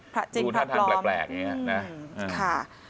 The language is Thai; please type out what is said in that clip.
พระจิงพระพร้อมดูท่านทางแปลกอย่างนี้